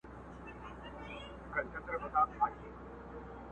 پر ساحل باندي ولاړ یمه زنګېږم٫